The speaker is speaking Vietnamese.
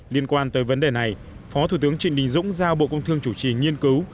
liên quan tới vấn đề này phó thủ tướng trịnh đình dũng giao bộ công thương chủ trì nghiên cứu